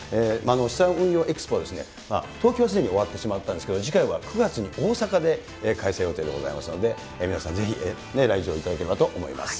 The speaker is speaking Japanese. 資産運用エクスポは、東京はすでに終わってしまったんですけれども、次回は９月に大阪で開催予定でございますので、皆さんぜひ、来場いただければと思います。